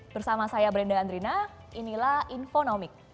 bersama saya brenda andrina inilah infonomik